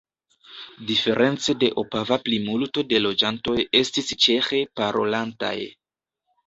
Diference de Opava plimulto de loĝantoj estis ĉeĥe parolantaj.